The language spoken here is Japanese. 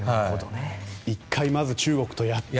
１回まず中国とやって。